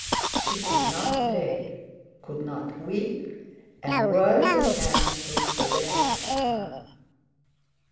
She could not pray, could not weep, and worldly cares took possession of her.